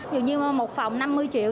dường như một phòng năm mươi triệu